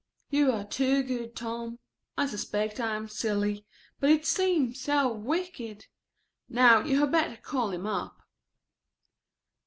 "You are too good, Tom. I suspect I am silly, but it seems so wicked. Now you had better call him up."